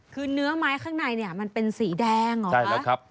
คือเนื้อไม้ข้างในเนี่ยมันเป็นสีแดงเหรอคะ